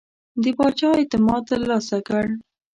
د پاچا اعتماد ترلاسه کړ.